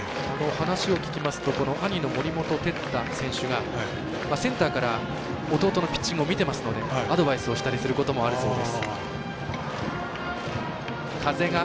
話を聞きますと兄の森本哲太選手がセンターから弟のピッチングを見ていますので、アドバイスをしたりすることもあるそうです。